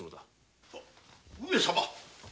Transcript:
上様。